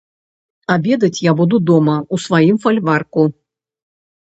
Абедаць я буду дома, у сваім фальварку.